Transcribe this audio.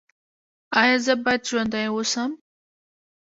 ایا زه باید ژوندی اوسم؟